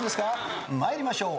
参りましょう。